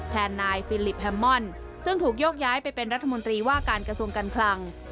แทนนายฟิลิปแฮมม่อนซึ่งถูกโยกย้ายไปเป็นรัฐมนตรีว่าการกระทรวงการคลัง